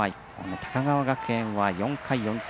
高川学園は４回４点。